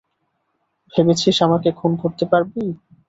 ভেবেছিস আমাকে খুন করতে পারবি?